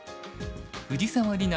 藤沢里菜